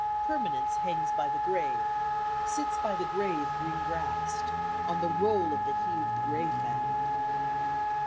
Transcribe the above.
"Permanence hangs by the grave; Sits by the grave green grassed, On the roll of the heaved grave mound."